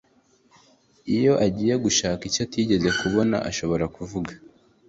iyo agiye gushaka icyo atizeye kubona ashobora kuvuga